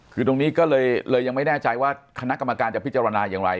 คือตรงนี้ก็เลยยังไม่แน่ใจว่าคณะกรรมการจะพิจารณาอย่างไร